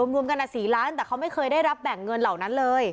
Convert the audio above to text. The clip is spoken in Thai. รวมกัน๔ล้านแต่เขาไม่เคยได้รับแบ่งเงินเหล่านั้นเลย